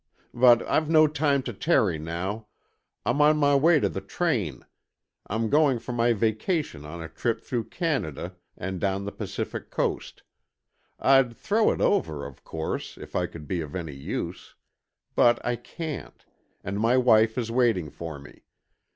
But I've no time to tarry now. I'm on my way to the train. I'm going for my vacation on a trip through Canada and down the Pacific coast. I'd throw it over, of course, if I could be of any use. But I can't, and my wife is waiting for me.